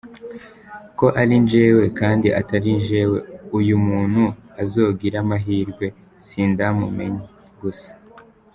ko ari jewe kandi atari jewe uyu muntu azogire amahirwe sindamumenye gusa.